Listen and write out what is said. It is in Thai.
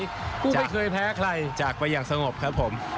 ไม่เคยแพ้ใครจากไปอย่างสงบครับผม